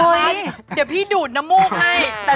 เดี๋ยวพี่ดูดน้ำมูกให้